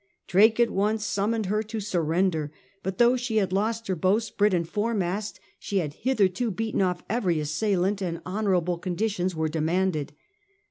Drake at once summoned her to surrender, but though she had lost her bowsprit and foremast, she had hitherto beaten off" every assailant, and honourable conditions were demanded.